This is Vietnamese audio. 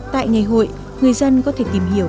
tại ngày hội người dân có thể tìm hiểu